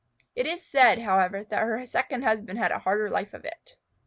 It is said, however, that her second husband had a hard life of it.